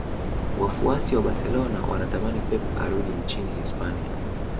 wafuasi wa barcelona wanatamani pep arudi nchini hispania